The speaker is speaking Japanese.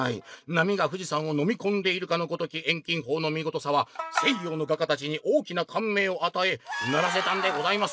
なみが富士山をのみこんでいるかのごとき遠近ほうのみごとさは西洋の画家たちに大きなかんめいを与えうならせたんでございます！」。